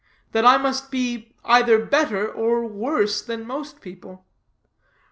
Then I must be either better or worse than most people.